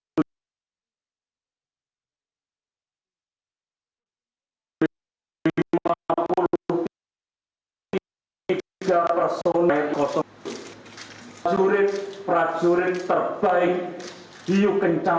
berikutnya saya ingin mengucapkan terima kasih kepada para jurid jurid terbaik di yogyakarta